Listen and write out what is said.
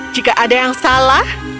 jika ada yang salah